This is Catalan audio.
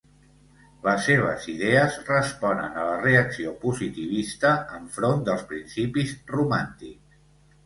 Les seves idees responen a la reacció positivista enfront dels principis romàntics.